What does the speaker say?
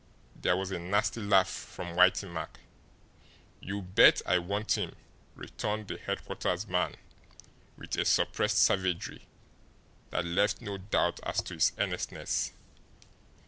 There was a nasty laugh from Whitey Mack. "You BET I want him!" returned the headquarters man with a suppressed savagery that left no doubt as to his earnestness.